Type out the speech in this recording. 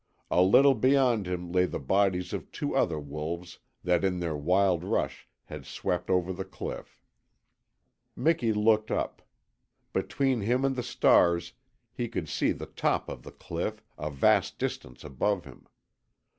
A little beyond him lay the bodies of two other wolves that in their wild rush had swept over the cliff. Miki looked up. Between him and the stars he could see the top of the cliff, a vast distance above him.